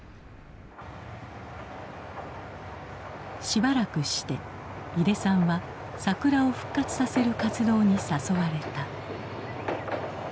しばらくして井手さんは桜を復活させる活動に誘われた。